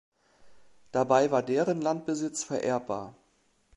Dabei war deren Landbesitz vererbbar.